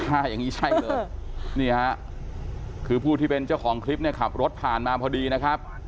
ถ้าอย่างนี้ใช่เลยนี่ฮะคือผู้ที่เป็นเจ้าของคลิปเนี่ยขับรถผ่านมาพอดีนะครับ